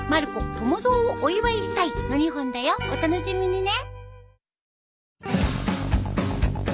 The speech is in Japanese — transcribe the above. お楽しみにね。